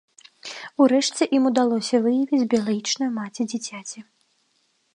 У рэшце ім удалося выявіць біялагічную маці дзіцяці.